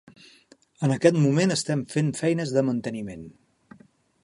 En aquest moment estem fent feines de manteniment.